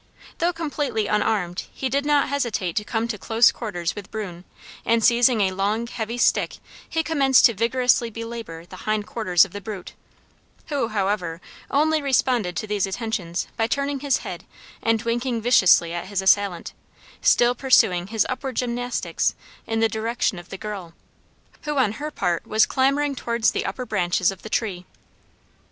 Though completely unarmed he did not hesitate to come to close quarters with bruin, and seizing a long heavy stick he commenced to vigorously belabor the hind quarters of the brute, who, however, only responded to these attentions by turning his head and winking viciously at his assailant, still pursuing his upward gymnastics in the direction of the girl, who on her part was clambering towards the upper branches of the tree.